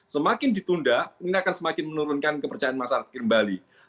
semakin ditunda ini akan semakin menurunkan kepercayaan masyarakat kembali